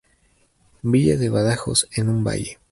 Villa de Badajoz en un valle.